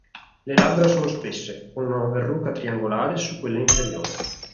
Le labbra sono spesse, con una verruca triangolare su quella inferiore.